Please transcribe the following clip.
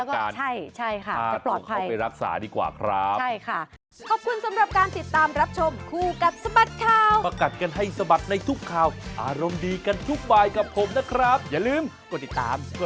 อยากไปใกล้ดีกว่าแล้วแก้ให้ต้นที่เขามาจัดการ